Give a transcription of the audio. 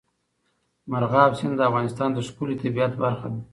مورغاب سیند د افغانستان د ښکلي طبیعت برخه ده.